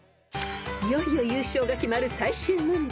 ［いよいよ優勝が決まる最終問題］